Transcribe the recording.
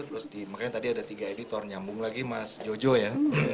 terus di makanya tadi ada tiga editor nyambung lagi mas jojo ya